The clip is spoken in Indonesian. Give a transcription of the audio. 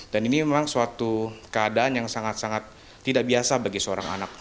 dan ini memang suatu keadaan yang sangat sangat tidak biasa bagi seorang anak